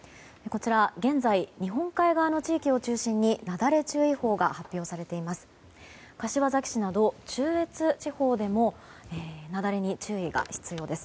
現在、日本海側の地域を中心になだれ注意報が発表されています。